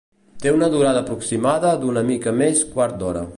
Té una durada aproximada d’una mica més quart d'hora.